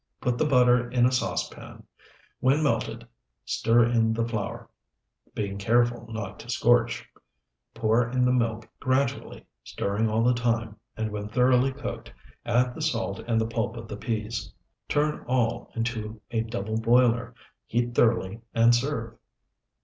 Put the butter in a saucepan; when melted stir in the flour, being careful not to scorch; pour in the milk gradually, stirring all the time; and when thoroughly cooked, add the salt and the pulp of the peas. Turn all into a double boiler, heat thoroughly, and serve.